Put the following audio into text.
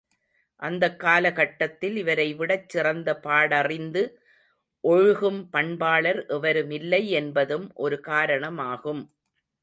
அந்தக் காலகட்டத்தில், இவரை விடச் சிறந்த பாடறிந்து ஒழுகும் பண்பாளர் எவருமில்லை என்பதும் ஒரு காரணமாகும்.